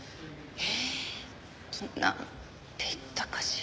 えっとなんていったかしら。